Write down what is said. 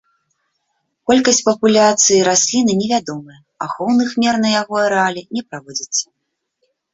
Колькасць папуляцыі расліны невядомая, ахоўных мер на яго арэале не праводзіцца.